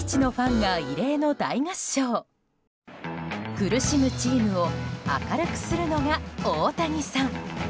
苦しむチームを明るくするのが大谷さん。